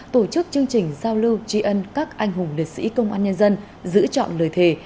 tổ chức chương trình giao lưu tri ân các anh hùng liệt sĩ công an nhân dân giữ chọn lời thề